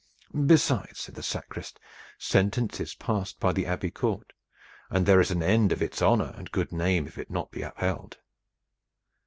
"Besides," said the sacrist, "sentence is passed by the Abbey court, and there is an end of its honor and good name if it be not upheld."